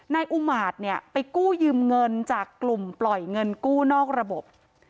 นายอูมาร์ดไปกู้ยืมเงินจากกลุ่มปล่อยเงินกู้นอกระบบ